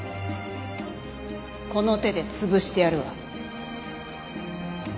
この手で潰してやるわ。